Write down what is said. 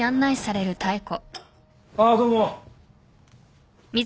あどうも。